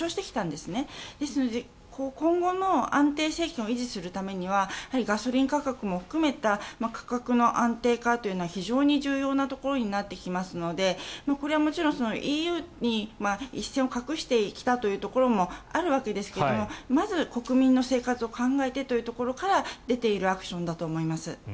ですので、今後の安定政権を維持するためにはガソリン価格も含めた価格の安定化というのが非常に重要なところになってきますのでこれはもちろんＥＵと一線を画してきたというところもあるわけですがまず、国民の生活を考えてというところから出ているアクションだと思います。